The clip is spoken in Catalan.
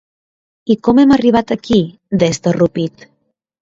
I com hem arribat aquí, des de Rupit?